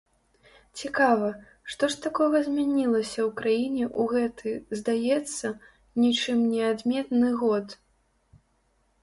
Цікава, што ж такога змянілася ў краіне ў гэты, здаецца, нічым не адметны год?